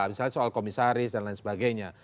misalnya soal komisaris dan lain sebagainya